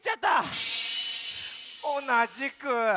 おなじく。